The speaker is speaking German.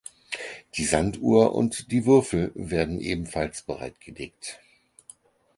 Die Sanduhr und die Würfel werden ebenfalls bereitgelegt.